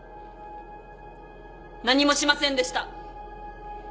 何もしませんでした。